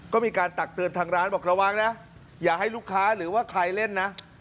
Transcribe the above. ก็มีการตักเตือนทางร้านบอกระวังนะอย่าให้ลูกค้าหรือว่าใครเล่นนะ